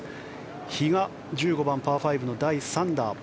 比嘉の１５番、パー５第３打。